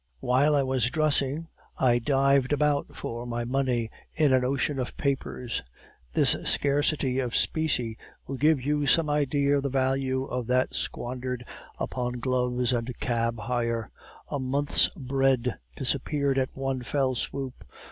While I as dressing, I dived about for my money in an ocean of papers. This scarcity of specie will give you some idea of the value of that squandered upon gloves and cab hire; a month's bread disappeared at one fell swoop.